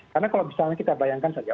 karena kalau misalnya kita bayangkan saja